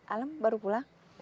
alam baru pulang